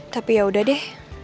tapi ya udah deh